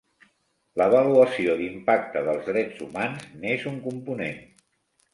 L'avaluació d'impacte dels drets humans n'és un component.